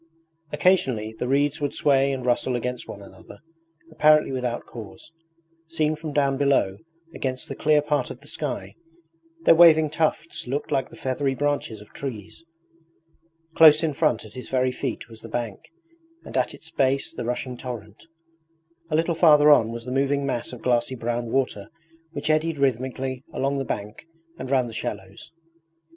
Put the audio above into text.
Occasionally the reeds would sway and rustle against one another apparently without cause. Seen from down below, against the clear part of the sky, their waving tufts looked like the feathery branches of trees. Close in front at his very feet was the bank, and at its base the rushing torrent. A little farther on was the moving mass of glassy brown water which eddied rhythmically along the bank and round the shallows.